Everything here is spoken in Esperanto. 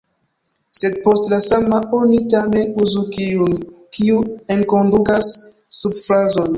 Sed post “la sama” oni tamen uzu kiun, kiu enkondukas subfrazon.